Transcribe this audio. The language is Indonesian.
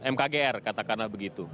mkgr katakanlah begitu